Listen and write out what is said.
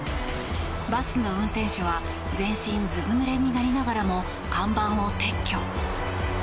バスの運転手は全身ずぶぬれになりながらも看板を撤去。